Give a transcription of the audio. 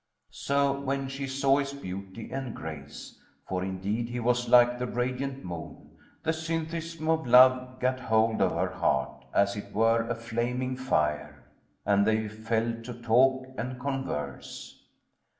So, when she saw his beauty and grace (for indeed he was like the radiant moon) the syntheism[FN#15] of love gat hold of her heart as it were a flaming fire, and they fell to talk and converse.